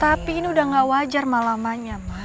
tapi ini udah gak wajar malamannya